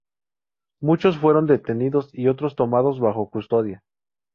Muchos fueron detenidos y otros tomados bajo custodia.